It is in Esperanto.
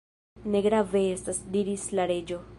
"Ne grave estas," diris la Reĝo.